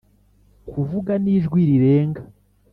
kuvuga n'ijwi rirenga